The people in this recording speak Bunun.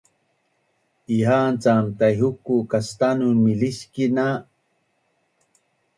Iha’an cam Taihuku kastanun miliskin na